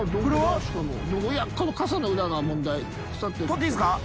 採っていいですか？